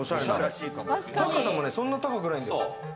高さも、そんな高くない。